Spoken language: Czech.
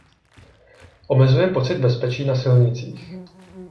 Omezuje pocit bezpečí na silnicích.